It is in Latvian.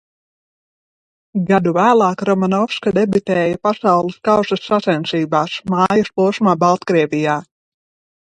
Gadu vēlāk Romanovska debitēja Pasaules kausa sacensībās, mājas posmā Baltkrievijā.